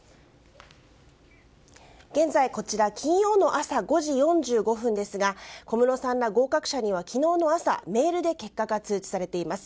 現在こちら金曜の朝５時４５分ですが小室さんら合格者には昨日の朝メールで結果が通知されています。